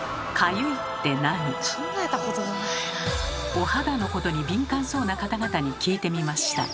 お肌のことに敏感そうな方々に聞いてみました。